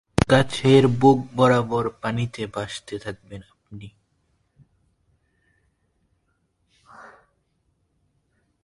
গাছের বুক বরাবর পানিতে ভাসতে থাকবেন আপনি।